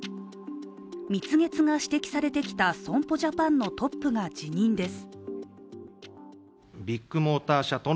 蜜月が指摘されてきた損保ジャパンのトップが辞任です。